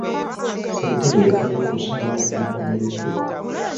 Ssentebe yakoze okusalawo okw'enkomeredde.